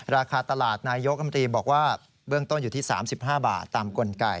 ราคาตลาดนายกรมตรีบอกว่าเบื้องต้นอยู่ที่๓๕บาทตามกลไก